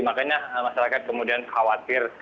makanya masyarakat kemudian khawatir